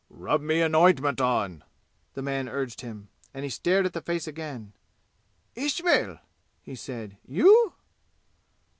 "Rub me an ointment on!" the man urged him, and he stared at the face again. "Ismail!" he said. "You?"